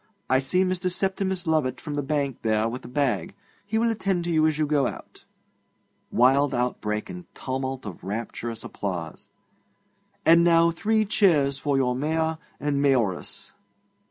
I see Mr. Septimus Lovatt from the bank there with a bag. He will attend to you as you go out. (Wild outbreak and tumult of rapturous applause.) And now three cheers for your Mayor and Mayoress!'